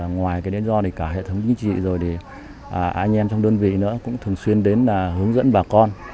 ngoài đến do cả hệ thống chính trị anh em trong đơn vị cũng thường xuyên đến hướng dẫn bà con